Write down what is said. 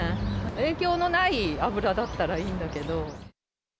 影響のない油だったらいいんだけど。